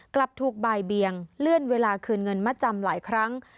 กลับถูกบ่ายเบียงเลื่อนเวลาคืนเงินมาจำหลายครั้ง